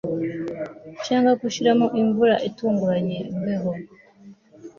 cyangwa gushiramo imvura itunguranye, imbeho